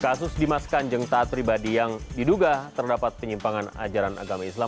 kasus dimas kanjeng taat pribadi yang diduga terdapat penyimpangan ajaran agama islam